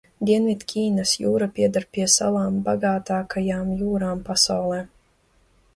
Dienvidķīnas jūra pieder pie salām bagātākajām jūrām pasaulē.